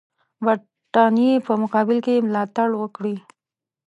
برټانیې په مقابل کې یې ملاتړ وکړي.